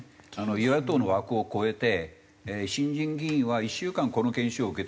与野党の枠を超えて新人議員は１週間この研修を受けてくださいと。